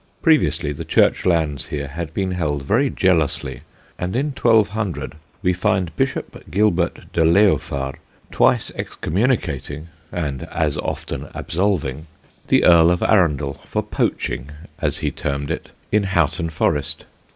Previously the Church lands here had been held very jealously, and in 1200 we find Bishop Gilbert de Leofard twice excommunicating, and as often absolving, the Earl of Arundel for poaching (as he termed it) in Houghton Forest.